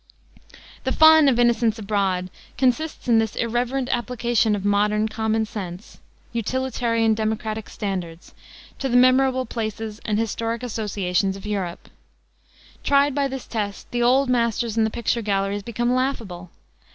The fun of Innocents Abroad consists in this irreverent application of modern, common sense, utilitarian, democratic standards to the memorable places and historic associations of Europe. Tried by this test the Old Masters in the picture galleries become laughable.